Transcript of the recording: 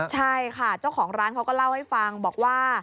ใช่ค่ะเจ้าของร้านเขาก็เล่าให้ฟังบอกว่า